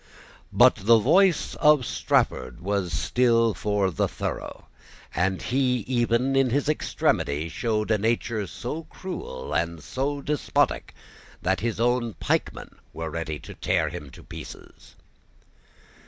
But the voice of Strafford was still for Thorough; and he even, in this extremity, showed a nature so cruel and despotic, that his own pikemen were ready to tear him in pieces.